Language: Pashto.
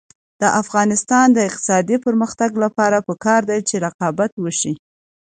د افغانستان د اقتصادي پرمختګ لپاره پکار ده چې رقابت وشي.